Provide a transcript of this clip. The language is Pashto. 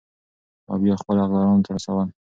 او بيا خپلو حقدارانو ته رسول ،